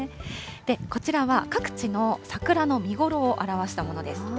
こちらは、各地の桜の見頃を表したものです。